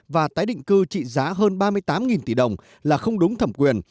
và tái định cư trị giá hơn ba mươi tám tỷ đồng là không đúng thẩm quyền